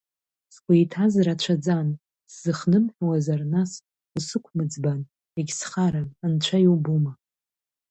Сгәы иҭаз рацәаӡан, сзыхнымҳәуазар нас, усықәмыӡбан, егьсхарам, Анцәа иубома…